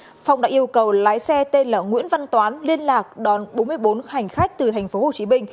phạm văn phong đã yêu cầu lái xe tên là nguyễn văn toán liên lạc đón bốn mươi bốn hành khách từ tp hcm